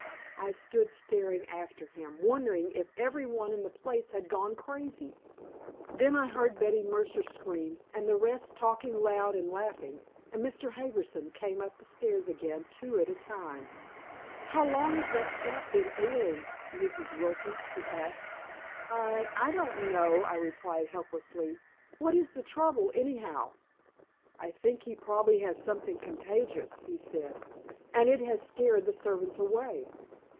I stood staring after him, wondering if every one in the place had gone crazy. Then I heard Betty Mercer scream and the rest talking loud and laughing, and Mr. Harbison came up the stairs again two at a time. "How long has that Jap been ailing, Mrs. Wilson?" he asked. "I I don't know," I replied helplessly. "What is the trouble, anyhow?" "I think he probably has something contagious," he said, "and it has scared the servants away.